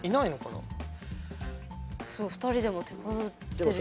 ２人でも手こずってる。